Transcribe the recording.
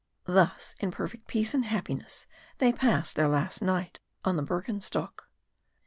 Thus in perfect peace and happiness they; passed their last night on the Bürgenstock.